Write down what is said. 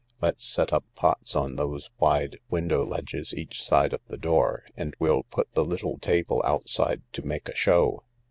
Let's set up pots on those wide window4edges each side of the door, and we'll put the little table outside to make a show.